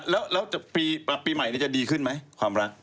แล้วปีใหม่จะดีขึ้นไหมความรัก